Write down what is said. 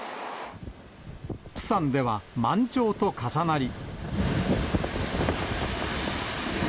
プサンでは満潮と重なり。